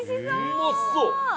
うまそう！